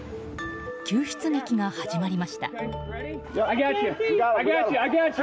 救出劇が始まりました。